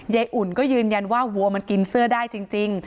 อุ่นก็ยืนยันว่าวัวมันกินเสื้อได้จริง